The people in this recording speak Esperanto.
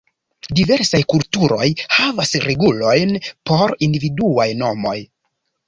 Diversaj kulturoj havas regulojn por individuaj nomoj.